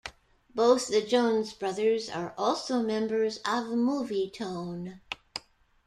Both the Jones brothers are also members of Movietone.